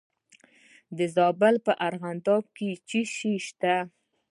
د زابل په ارغنداب کې څه شی شته؟